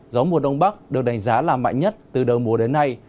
gió mùa đông bắc được đánh giá là mạnh nhất từ đầu mùa đến nay